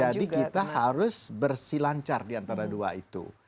jadi kita harus bersilancar diantara dua itu